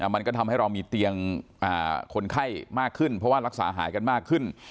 มันก็ทำให้เรามีเตียงคนไข้มากขึ้นเพราะว่ารักษาหายกันมากขึ้น